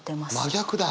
真逆だ！